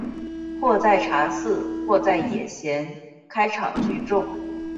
或在茶肆或在野闲开场聚众。